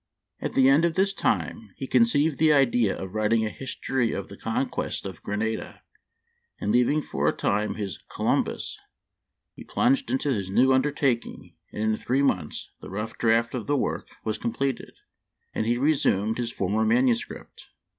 At the end of this time he conceived the idea of writing a history of the Conquest of Grena da, and leaving for a time his " Columbus " he plunged into this new undertaking, and in three months the rough draft of the work was com pleted, and he resumed his former manuscript.